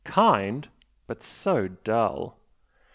Kind, but so dull!